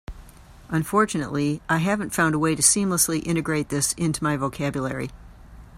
Unfortunately, I haven't found a way to seamlessly integrate this into my vocabulary.